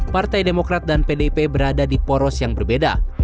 partai demokrat dan pdip berada di poros yang berbeda